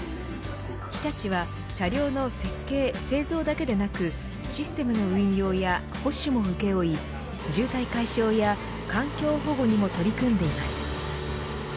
日立は車両の設計、製造だけでなくシステムの運用や保守も請け負い渋滞解消や環境保護にも取り組んでいます。